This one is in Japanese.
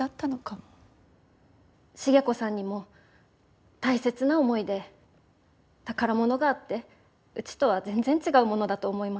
重子さんにも大切な思い出宝物があってうちとは全然違うものだと思います。